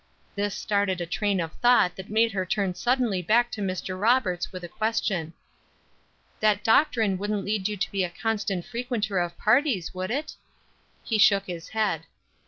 This started a train of thought that made her turn suddenly back to Mr. Roberts with a question. "That doctrine wouldn't lead you to be a constant frequenter of parties, would it?" He shook his head.